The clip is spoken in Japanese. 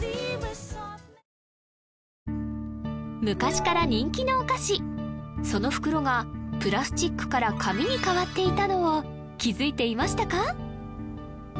昔から人気のお菓子その袋がプラスチックから紙に変わっていたのを気づいていましたか？